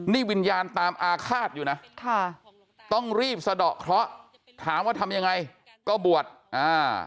นี่วิญญาณตามอาฆาตอยู่นะค่ะต้องรีบสะดอกเคราะห์ถามว่าทำยังไงก็บวชอ่า